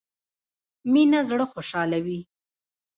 مينه زړه خوشحالوي